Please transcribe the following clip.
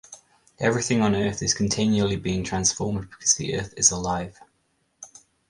Everything on earth is continually being transformed because the earth is alive.